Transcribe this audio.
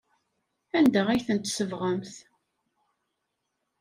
Anda ay ten-tsebɣemt?